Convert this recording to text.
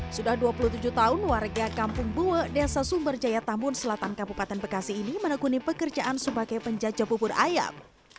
sudah dua puluh tujuh tahun warga kampung buwe desa sumber jaya tambun selatan kabupaten bekasi ini menekuni pekerjaan sebagai penjajah bubur ayam